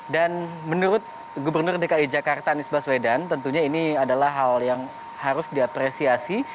dan menurut gubernur dki jakarta anies baswedan tentunya ini adalah hal yang harus diapresiasi